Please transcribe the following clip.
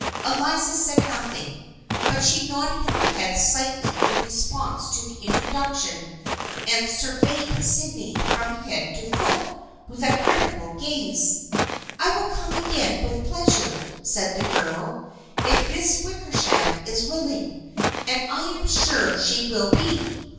Eliza said nothing, but she nodded her head slightly in response to the introduction and sur veyed Sydney from head to foot with a critical gaze. " I will come again with pleasure," said the girl, " if Miss Wickersham is willing, and I am sure she will be.